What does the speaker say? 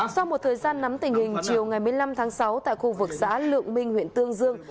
sau một thời gian nắm tình hình chiều ngày một mươi năm tháng sáu tại khu vực xã lượng minh huyện tương dương